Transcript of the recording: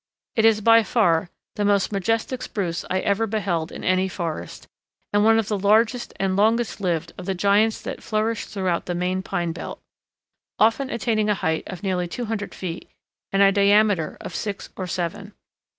It is by far the most majestic spruce I ever beheld in any forest, and one of the largest and longest lived of the giants that flourish throughout the main pine belt, often attaining a height of nearly 200 feet, and a diameter of six or seven.